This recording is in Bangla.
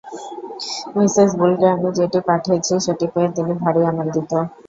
মিসেস বুলকে আমি যেটি পাঠিয়েছি, সেটি পেয়ে তিনি ভারি আনন্দিত।